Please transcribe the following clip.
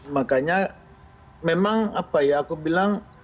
makanya memang apa ya aku bilang